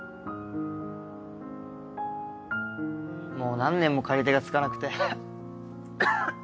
もう何年も借り手がつかなくて。